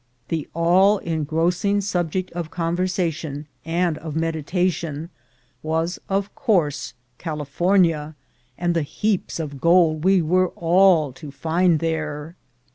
The all engrossing subject of conversation, and of meditation, was of course California, and the heaps of gold we were all to find there.